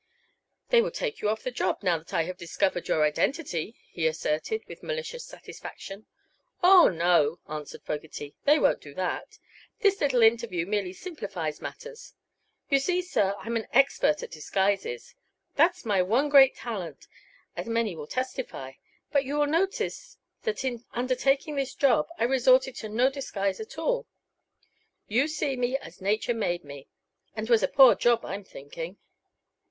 "They will take you off the job, now that I have discovered your identity," he asserted, with malicious satisfaction. "Oh, no," answered Fogerty; "they won't do that. This little interview merely simplifies matters. You see, sir, I'm an expert at disguises. That's my one great talent, as many will testify. But you will notice that in undertaking this job I resorted to no disguise at all. You see me as nature made me and 't was a poor job, I'm thinking."